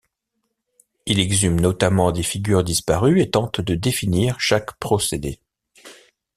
Il exhume notamment des figures disparues et tente de définir chaque procédé.